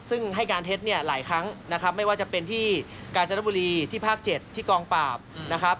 ซึ่งให้การเท็จเนี่ยหลายครั้งนะครับไม่ว่าจะเป็นที่กาญจนบุรีที่ภาค๗ที่กองปราบนะครับ